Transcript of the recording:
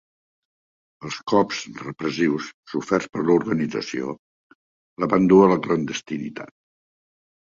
Els cops repressius soferts per l'organització la van dur a la clandestinitat.